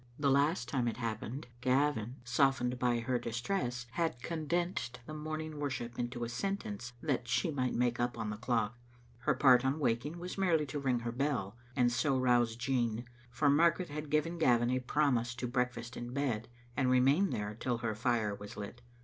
The last time it happened Gavin, softened by her distress, had condensed morning worship into a sentence that she might make jip on the clock. Her part on waking was merely to ring her bell, and so ronse Jean, for Margaret had given Gavin a promise to breakfast in bed, and remain there till her fire was lit.